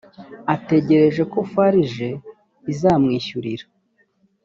ategereje ko farg izamwishyurira